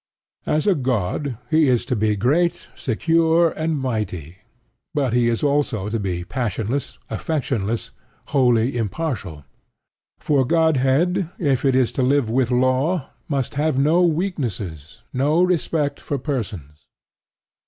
As a god, he is to be great, secure, and mighty; but he is also to be passionless, affectionless, wholly impartial; for Godhead, if it is to live with Law, must have no weaknesses, no respect for persons.